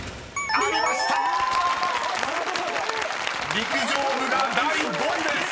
［「陸上部」が第５位です］